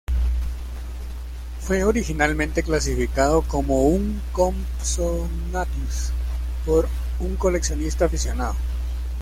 Fue originalmente clasificado como un "Compsognathus" por un coleccionista aficionado.